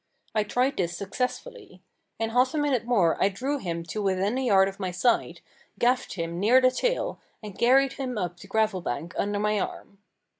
I tried this successfully. In half a minute more I drew him to within a yard of my side, gaffed him near the tail, and carried him up the gravel bank under my arm.